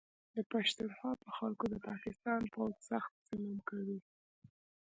د پښتونخوا په خلکو د پاکستان پوځ سخت ظلم کوي